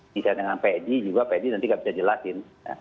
bisa dengan pak edi juga pak edi nanti gak bisa jelasin